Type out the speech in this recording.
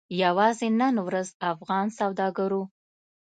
یوازې نن ورځ افغان سوداګرو